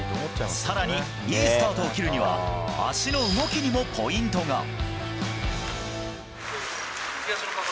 更に、いいスタートを切るには足の動きにもポイントが。